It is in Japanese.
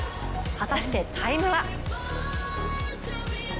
果たしてタイムは？